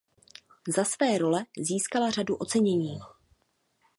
Za své role získala řadu ocenění.